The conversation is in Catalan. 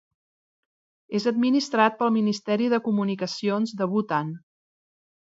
És administrat pel Ministeri de Comunicacions de Bhutan.